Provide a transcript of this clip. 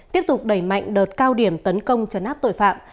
tiếp tục đẩy mạnh đợt cao điểm tấn công chấn áp tội phạm